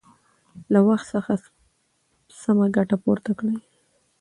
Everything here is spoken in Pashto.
له وخت څخه سمه ګټه پورته کړئ.